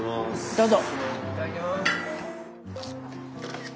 どうぞ。